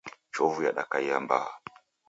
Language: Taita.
Chovu yadakaia mbaha